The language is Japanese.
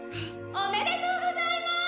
・おめでとうございます！